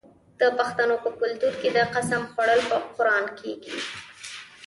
د پښتنو په کلتور کې د قسم خوړل په قران کیږي.